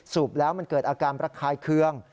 สูบแล้วมันเกิดอาการประคายเคือง